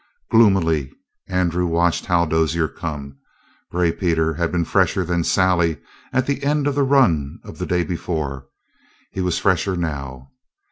Gloomily Andrew watched Hal Dozier come. Gray Peter had been fresher than Sally at the end of the run of the day before. He was fresher now.